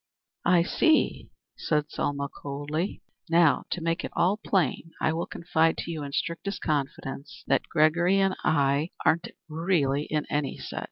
"I see," said Selma, coldly. "Now, to make it plain, I will confide to you in strictest confidence that Gregory and I aren't yet really in any set.